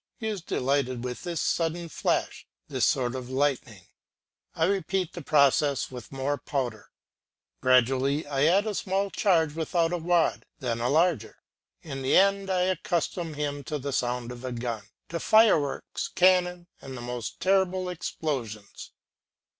He is delighted with this sudden flash, this sort of lightning; I repeat the process with more powder; gradually I add a small charge without a wad, then a larger; in the end I accustom him to the sound of a gun, to fireworks, cannon, and the most terrible explosions.